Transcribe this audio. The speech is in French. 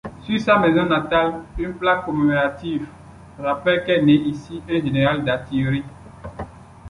Sur sa maison natale une plaque commémorative rappelle qu’est né ici un général d'artillerie.